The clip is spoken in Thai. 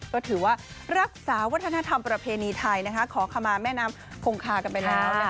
ก็ถือว่ารักษาวัฒนธรรมประเพณีไทยขอขมาแม่น้ำคงคากันไปแล้วนะคะ